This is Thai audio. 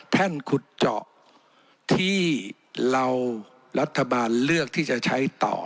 ขุดเจาะที่เรารัฐบาลเลือกที่จะใช้ต่อ